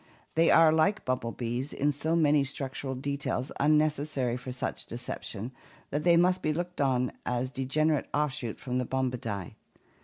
They are like bumblebees in so many structural details un necessary for such deception that they must be looked on as a degenerate offshoot from the Bombidae.